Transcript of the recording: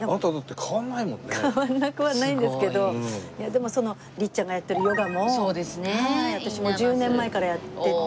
変わらなくはないんですけどでもその律ちゃんがやってるヨガも私も１０年前からやってて。